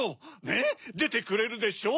ねっでてくれるでしょ？